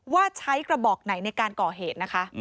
ว่าใช้กระบอกไหนในการก่อเหตุนะคะ